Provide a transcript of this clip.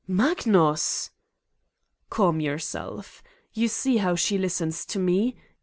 ..." "Magnus!" "Calm yourself. You see how she listens to me?